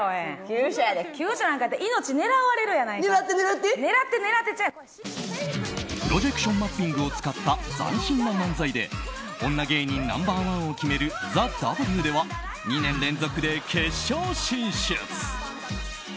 急所やなんかプロジェクションマッピングを使った斬新な漫才で女芸人ナンバー１を決める「ＴＨＥＷ」では２年連続で決勝進出。